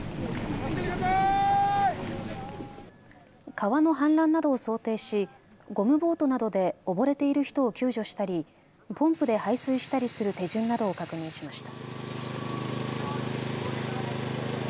川の氾濫などを想定しゴムボートなどで溺れている人を救助したりポンプで排水したりする手順などを確認しました。